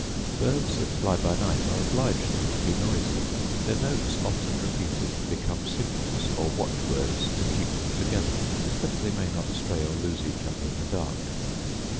Birds that fly by night are obliged to be noisy; their notes often repeated become signals or watchwords to keep them together, that they may not stray or lose each the other in the dark.